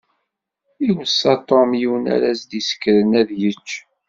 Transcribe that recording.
Iweṣṣa Tom yiwen ara s-d-isekren ad yečč.